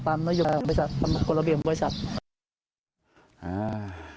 ร่วมให้บริษัท